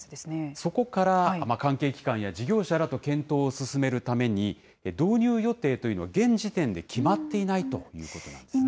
そこから関係機関や事業者らと検討を進めるために、導入予定というのは、現時点で決まっていないということなんですね。